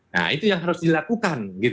nah itu yang harus dilakukan